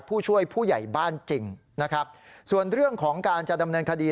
ผู้ช่วยผู้ใหญ่บ้านจริงนะครับส่วนเรื่องของการจะดำเนินคดี